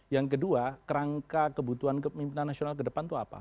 yang kedua kerangka kebutuhan kepemimpinan nasional ke depan itu apa